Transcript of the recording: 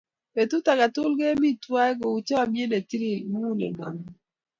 Petut ake tukul kemi twai kou chamyet ne itilili muguleldanyu.